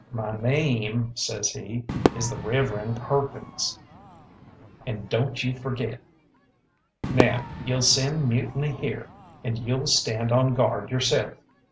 "My name," says he, "is the Reverend Perkins, and don't you forget. Now you'll send Mutiny here, and you'll stand on guard yourself.